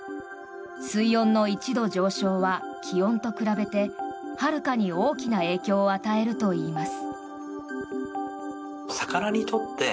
水温の１度上昇は気温と比べてはるかに大きな影響を与えるといいます。